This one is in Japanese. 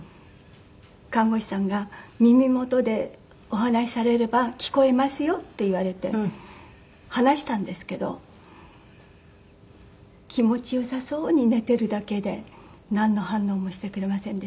看護師さんが「耳元でお話しされれば聞こえますよ」って言われて話したんですけど気持ち良さそうに寝てるだけでなんの反応もしてくれませんでしたけど。